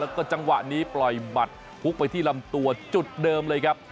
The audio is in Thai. แล้วก็จังหวะนี้ปล่อยหมัดพุกไปที่ลำตัวจุดเดิมเลยครับ